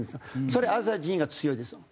それアジア人が強いですよ。